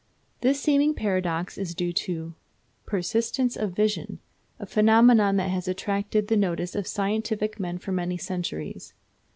This seeming paradox is due to "persistence of vision," a phenomenon that has attracted the notice of scientific men for many centuries.